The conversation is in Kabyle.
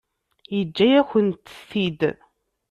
Yeǧǧa-yakent-t-id.